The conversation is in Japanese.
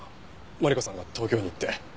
マリコさんが東京に行って。